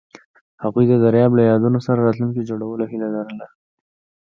هغوی د دریاب له یادونو سره راتلونکی جوړولو هیله لرله.